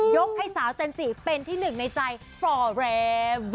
ให้สาวจันจิเป็นที่หนึ่งในใจฟอร์แรม